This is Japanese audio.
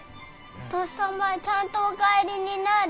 とっさまちゃんとお帰りになる？